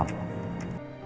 mari pak rendy